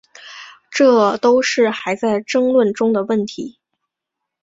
这都是还在争论中的问题。